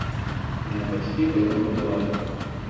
Мае бацькі той дом будавалі.